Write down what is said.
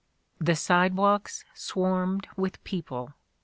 The side walks swarmed with people.